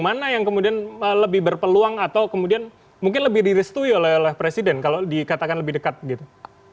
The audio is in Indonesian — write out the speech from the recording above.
mana yang kemudian lebih berpeluang atau kemudian mungkin lebih direstui oleh presiden kalau dikatakan lebih dekat gitu